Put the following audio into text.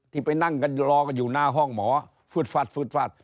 ไปนั่งกันรอกันอยู่หน้าห้องหมอฟืดฟัดฟืดฟัด